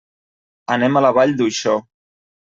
Anem a la Vall d'Uixó.